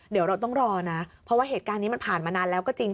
เดี๋ยวเราต้องรอนะเพราะว่าเหตุการณ์นี้มันผ่านมานานแล้วก็จริง